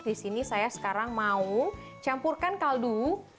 disini saya sekarang mau campurkan kaldu